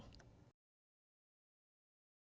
cảm ơn các bạn đã theo dõi và hẹn gặp lại